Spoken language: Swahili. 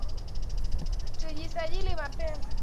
Tujisajili mapema